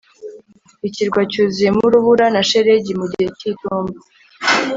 ikirwa cyuzuyemo urubura na shelegi mu gihe cy'itumba